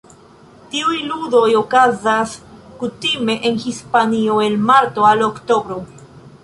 Tiuj ludoj okazas kutime en Hispanio el marto al oktobro.